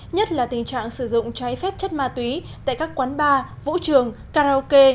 nhất là tình trạng sử dụng trái phép chất ma túy tại các quán bar vũ trường karaoke